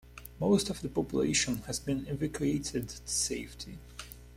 Most of the population has been evacuated to safety.